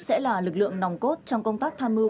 sẽ là lực lượng nòng cốt trong công tác tham mưu